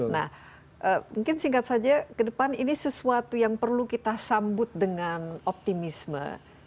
nah mungkin singkat saja ke depan ini sesuatu yang perlu kita sambut dengan optimisme